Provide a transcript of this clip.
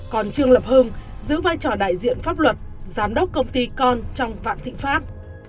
còn trương lập hưng giữ vai trò đại diện pháp luật giám đốc công ty con trong vạn thịnh pháp